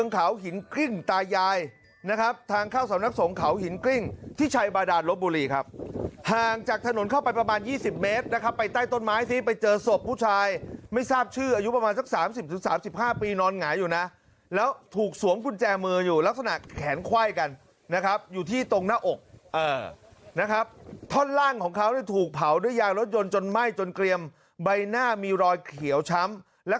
เขาหินกริ้งตายายนะครับทางเข้าสำนักสงเขาหินกริ้งที่ชัยบาดานลบบุรีครับห่างจากถนนเข้าไปประมาณ๒๐เมตรนะครับไปใต้ต้นไม้ที่ไปเจอศพผู้ชายไม่ทราบชื่ออายุประมาณสัก๓๐๓๕ปีนอนหงายอยู่นะแล้วถูกสวมกุญแจมืออยู่ลักษณะแขนไขว้กันนะครับอยู่ที่ตรงหน้าอกนะครับท่อนล่างของเขาเนี่ยถูกเผาด้วยยางรถยนต์จนไหม้จนเกรียมใบหน้ามีรอยเขียวช้ำแล้ว